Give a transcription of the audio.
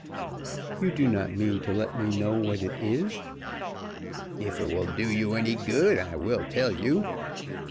"You do not mean to let me know what it is?" "If it will do you any good, I will tell you."